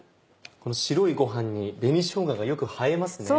この白いご飯に紅しょうががよく映えますね。